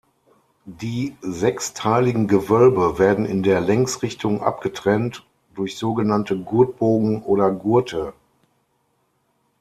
Die sechsteiligen Gewölbe werden in der Längsrichtung abgetrennt durch sogenannte Gurtbogen oder Gurte.